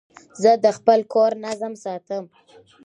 زه د خپل کور نظم ساتم.